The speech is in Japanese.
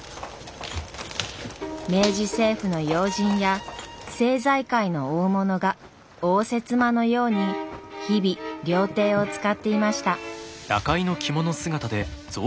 明治政府の要人や政財界の大物が応接間のように日々料亭を使っていました。